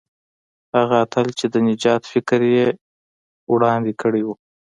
هغه اتل چې د نجات فکر یې وړاندې کړی وو.